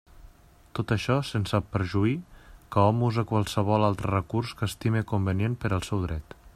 Tot això sense perjuí que hom use qualsevol altre recurs que estime convenient per al seu dret.